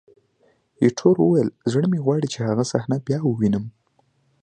ایټور وویل: زړه مې غواړي چې هغه صحنه بیا ووینم.